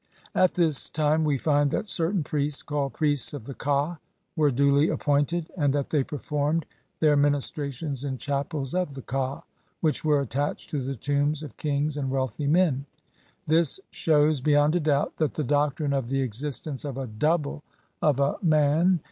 At this time we find that certain priests called "priests of the l:a" were duly appointed, and that they performed their ministrations in "chapels of the ka" which were attached to the tombs of kings and wealthy men ; this shews beyond a doubt that the doctrine of the existence of a "double" of a man LIV